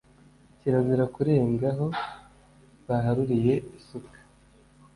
Kirazira kurenga aho baharuriye isuka